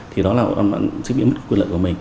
thì đó là bọn bạn sẽ bị mất quyền lợi của mình